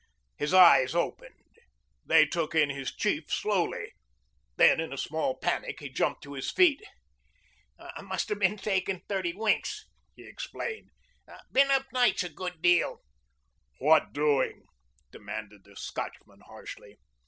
His eyes opened. They took in his chief slowly. Then, in a small panic, he jumped to his feet. "Must 'a' been taking thirty winks," he explained. "Been up nights a good deal." "What doing?" demanded the Scotchman harshly.